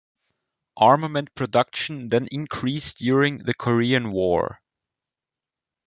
Armament production then increased during the Korean War.